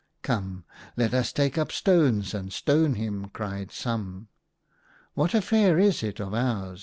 " Come, let us take up stones and stone him," cried some. " What affair is it of ours